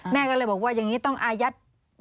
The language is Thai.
แม่ก็เลยบอกว่าอย่างนี้ต้องอายัด